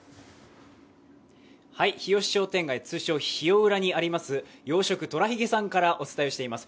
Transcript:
日吉商店街、通称ヒヨウラにあります洋食とらひげさんからお届けしています。